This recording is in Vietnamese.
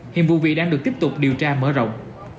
hiện vụ việc đang được tiếp tục điều tra mở rộng